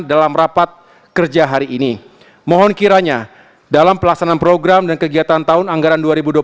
dalam rapat kerja hari ini mohon kiranya dalam pelaksanaan program dan kegiatan tahun anggaran dua ribu dua puluh tiga